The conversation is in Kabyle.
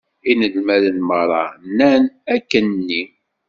Inelmaden meṛṛa nnan akken-nni.